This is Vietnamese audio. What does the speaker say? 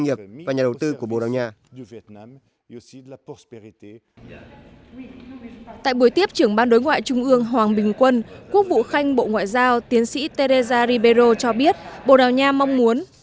tiếp trưởng ban đối ngoại trung ương hoàng bình quân quốc vụ khanh bộ ngoại giao tiến sĩ teresa ribeiro cho biết bộ đào nha mong muốn